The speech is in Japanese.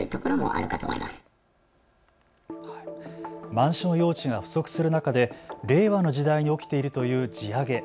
マンション用地が不足する中で令和の時代に起きているという地上げ。